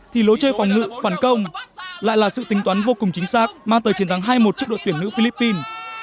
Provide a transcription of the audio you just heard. thì lối chơi phòng ngự phản công lại là sự tính toán vô cùng chính xác mang tới chiến thắng hai một trước đội tuyển nữ philippines